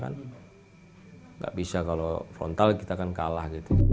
nggak bisa kalau frontal kita kalah